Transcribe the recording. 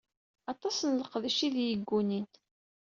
Aṭas n leqdic i d iyi-yeggunin.